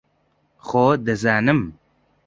خۆ دەزانم